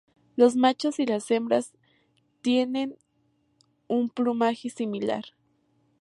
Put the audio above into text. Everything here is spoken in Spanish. Los machos y las hembras tienen un plumaje similar.